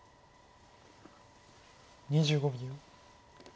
２５秒。